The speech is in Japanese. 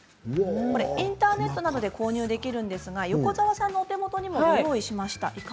インターネットなどで購入できるんですが横澤さんのお手元にもご用意しました。